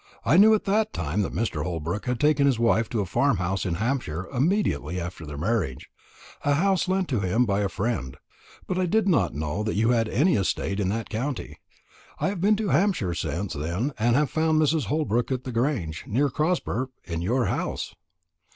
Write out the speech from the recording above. I knew at that time that Mr. Holbrook had taken his wife to a farm house in Hampshire immediately after their marriage a house lent to him by a friend; but I did not know that you had any estate in that county. I have been to Hampshire since then, and have found Mrs. Holbrook at the Grange, near Crosber in your house."